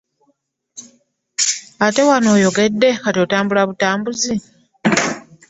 Ate wano oyongedde kuntabula butabuzi.